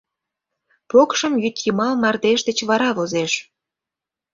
Покшым йӱдйымал мардеж деч вара возеш.